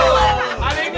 aduh ini makanan gue